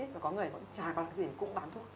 và có người chả có gì cũng bán thuốc